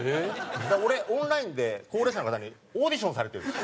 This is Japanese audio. だから俺オンラインで高齢者の方にオーディションされてるんです。